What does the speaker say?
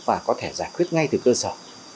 và có thể giải quyết ngay từ cơ sở